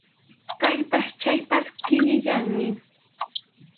Kaypas chaypas kikillanmi.